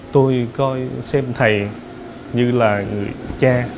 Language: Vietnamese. tôi coi xem thầy như là người cha